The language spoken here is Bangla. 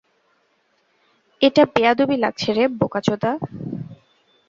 এটা বেয়াদবি লাগছে রে, বোকাচোদা?